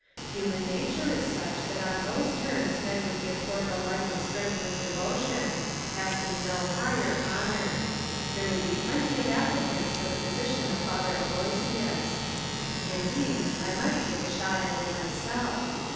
Human na ture is such that on those terms men would give forth a life of strenuous devotion, asking no higher honour. There would be plenty of applicants for the position of Father Aloysius. Indeed, I might take a shot at it myself.